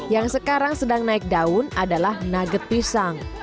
yang sekarang sedang naik daun adalah nugget pisang